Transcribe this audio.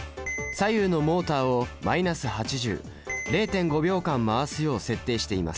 左右のモータをマイナス８００．５秒間回すよう設定しています。